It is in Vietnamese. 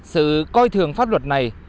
sự coi thường pháp luật này